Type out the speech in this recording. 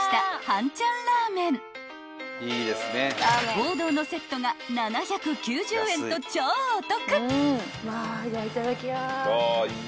［王道のセットが７９０円と超お得］